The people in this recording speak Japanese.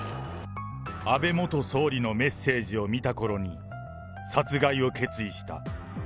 安倍元総理のメッセージを見たころに殺害を決意した。